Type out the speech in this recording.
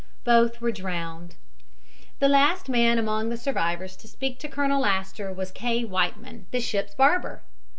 Both were drowned." The last man among the survivors to speak to Colonel Astor was K. Whiteman, the ship's barber.